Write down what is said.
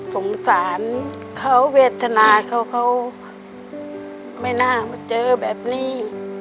สงสารเขาเวทนาเขาเขาไม่น่ามาเจอแบบนี้